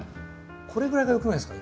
これぐらいがよくないですか？